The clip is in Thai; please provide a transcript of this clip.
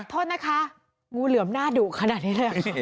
โทษนะคะงูเหลือมหน้าดุขนาดนี้เลย